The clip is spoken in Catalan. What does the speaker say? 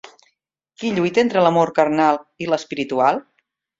Qui lluita entre l'amor carnal i l'espiritual?